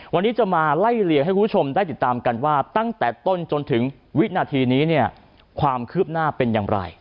วันนี้จะมาไล่เลี่ยงให้คุณผู้ชมได้ติดตามกันว่าตั้งแต่ต้นจนถึงวินาทีนี้เนี่ยความคืบหน้าเป็นอย่างไร